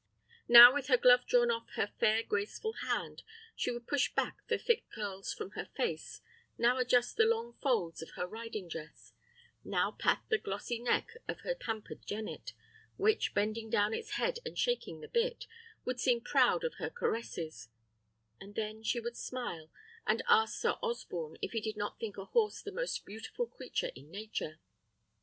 Now, with her glove drawn off her fair graceful hand, she would push back the thick curls from her face; now adjust the long folds of her riding dress; now pat the glossy neck of her pampered jennet, which, bending down its head and shaking the bit, would seem proud of her caresses; and then she would smile, and ask Sir Osborne if he did not think a horse the most beautiful creature in nature.